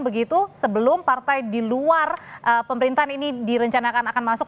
begitu sebelum partai di luar pemerintahan ini direncanakan akan masuk